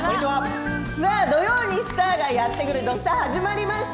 土曜にスターがやってくる始まりました。